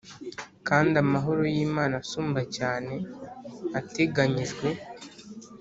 Kandi amahoro y’Imana asumba cyane ateganyijwe